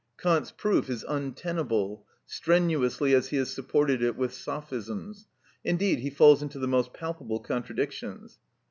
Kant's proof is untenable, strenuously as he has supported it with sophisms; indeed, he falls into the most palpable contradictions.